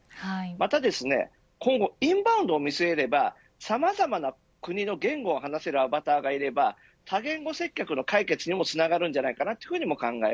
また、今後インバウンドを見据えればを様々な国の言語を話せるアバターがいれば多言語接客の解決にもつながります。